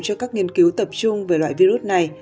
cho các nghiên cứu tập trung về loại virus này